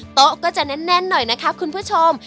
โต๊ะก็จะแน่นหน่อยนะคะคุณผู้ชม